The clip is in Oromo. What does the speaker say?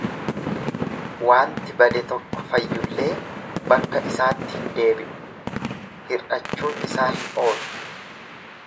Waanti bade tokko fayyullee bakka isaatti hin deebi'u, hir'achuun isaa hin oolu.